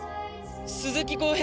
鈴木公平